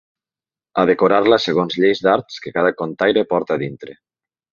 A decorar-la segons lleis d'art que cada contaire porta a dintre.